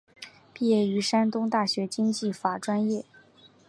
毕业于山东大学经济法专业。